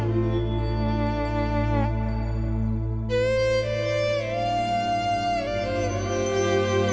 บอกว่านั่งดูเกินไป